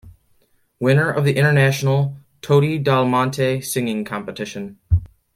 Winner of the international "Toti dal Monte" Singing Competition.